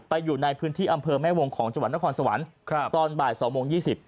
ไปอยู่ในพื้นที่อำเภอแม่วงของจัวระครสะวันตอนบ่าย๒โมง๒๐